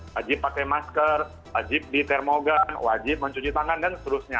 wajib pakai masker wajib di termogan wajib mencuci tangan dan seterusnya